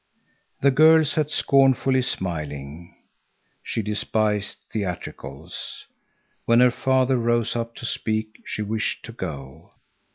The girl sat scornfully smiling. She despised theatricals. When her father rose up to speak, she wished to go.